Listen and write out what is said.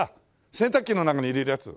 洗濯機の中に入れるやつ。